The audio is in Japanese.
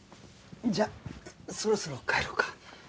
じゃあそろそろ帰ろうか。